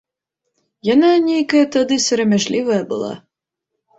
Яна нейкая тады сарамяжлівая была.